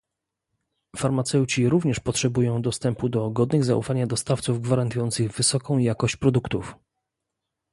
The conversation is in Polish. Farmaceuci również potrzebują dostępu do godnych zaufania dostawców gwarantujących wysoką jakość produktów